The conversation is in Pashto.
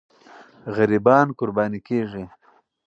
غریبان قرباني کېږي.